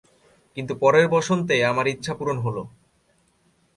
কিন্তু পরের বসন্তে, আমার ইচ্ছা পূরণ হলো।